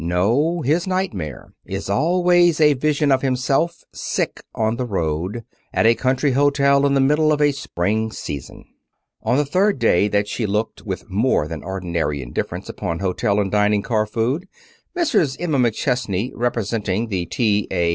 No his nightmare is always a vision of himself, sick on the road, at a country hotel in the middle of a Spring season. On the third day that she looked with more than ordinary indifference upon hotel and dining car food Mrs. Emma McChesney, representing the T. A.